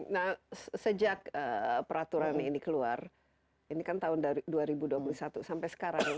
nah sejak peraturan ini keluar ini kan tahun dua ribu dua puluh satu sampai sekarang ya